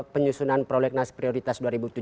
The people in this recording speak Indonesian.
penyusunan prolegnas prioritas